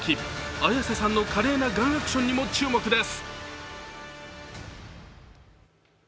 綾瀬さんの華麗なガンアクションにも注目です。